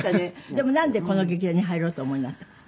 でもなんでこの劇団に入ろうとお思いになったの？